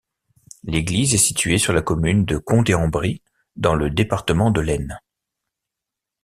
L'église est située sur la commune de Condé-en-Brie, dans le département de l'Aisne.